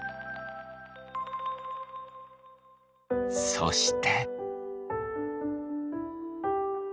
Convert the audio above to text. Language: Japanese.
そして。